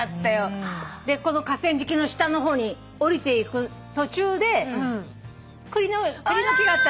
でこの河川敷の下の方におりていく途中で栗の木があった。